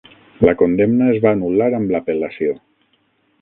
La condemna es va anul·lar amb l'apel·lació.